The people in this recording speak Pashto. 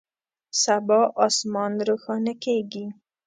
سبا اسمان روښانه کیږي